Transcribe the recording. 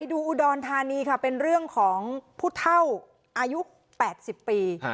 ดูอุดรธานีค่ะเป็นเรื่องของผู้เท่าอายุ๘๐ปี